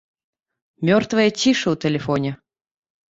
Мёртвая ціша ў тэлефоне.